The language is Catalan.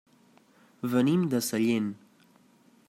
Venim de Sallent.